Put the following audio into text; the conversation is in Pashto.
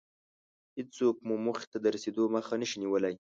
هېڅوک مو موخې ته د رسېدو مخه نشي نيولی.